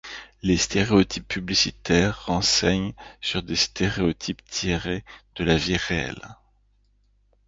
Les stéréotypes publicitaires renseignent sur des stéréotypes tirés de la vie réelle.